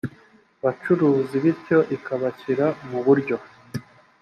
bacuruzi bityo ikabashyira mu buryo